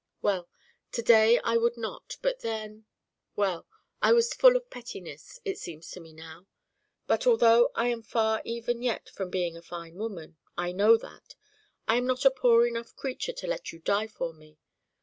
"Well, to day I would not, but then well, I was full of pettiness, it seems to me now. But although I am far even yet from being a fine woman, I know that! I am not a poor enough creature to let you die for me.